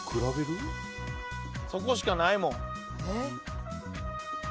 そこしかないもん。